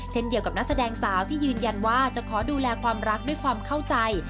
เดียวกับนักแสดงสาวที่ยืนยันว่าจะขอดูแลความรักด้วยความเข้าใจ